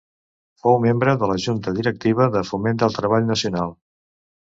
Fou membre de la junta directiva de Foment del Treball Nacional.